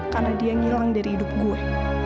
karena dia ngilang dari hidup gue